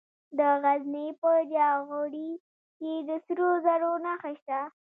د غزني په جاغوري کې د سرو زرو نښې شته.